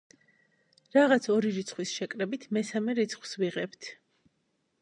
რაღაც ორი რიცხვის შეკრებით მესამე რიცხვს ვიღებთ.